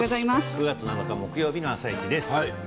９月７日木曜日の「あさイチ」です。